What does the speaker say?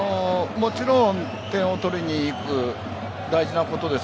もちろん点を取りに行く大事なことです。